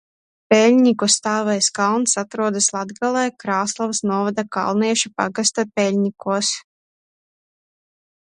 Peļņiku Stāvais kalns atrodas Latgalē, Krāslavas novada Kalniešu pagasta Peļnikos.